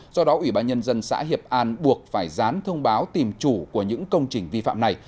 do đó ủy ban nhân dân xã hiệp an buộc phải dán thông báo tìm chủ của những công trình vi phạm này